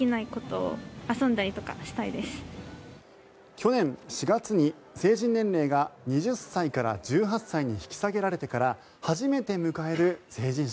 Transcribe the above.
去年４月に成人年齢が２０歳から１８歳に引き下げられてから初めて迎える成人式。